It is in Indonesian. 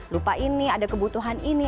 lupa ini ada kebutuhan ini